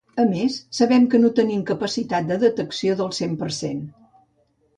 A més, sabem que no tenim capacitat de detecció del cent per cent.